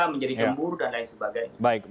menjadi jemur dan lain sebagainya